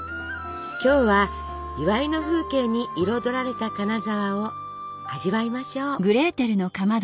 今日は祝いの風景に彩られた金沢を味わいましょう。